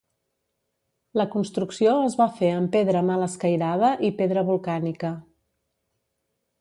La construcció es va fer amb pedra mal escairada i pedra volcànica.